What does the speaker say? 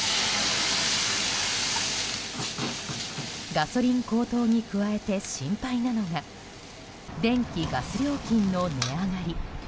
ガソリン高騰に加えて心配なのが電気・ガス料金の値上がり。